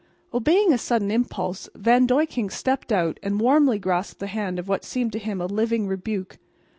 Obeying a sudden impulse, Van Duyckink stepped out and warmly grasped the hand of what seemed to him a living rebuke.